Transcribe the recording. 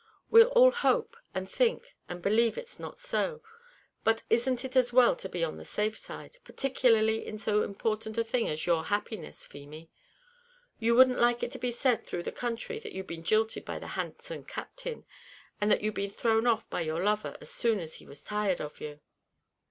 We'll all hope, and think, and believe it's not so; but isn't it as well to be on the safe side, particularly in so important a thing as your happiness, Feemy? You wouldn't like it to be said through the country that you'd been jilted by the handsome captain, and that you'd been thrown off by your lover as soon as he was tired of you?"